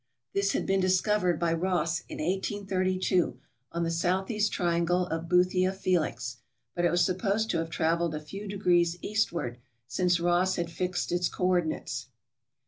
This had been discovered by Ross, in 1832, on 464 TRAVELERS AND EXPLORERS the southeast triangle of Boothia Felix, but it was supposed to have traveled a few degrees eastward since Ross had fixed its coordinates.